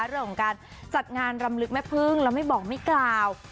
เรื่องของการจัดงานรำลึกแม่พึ่งแล้วไม่บอกไม่กล่าว